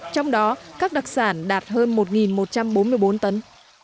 trong đó các đặc sản đạt hơn một một trăm bốn mươi bốn tấn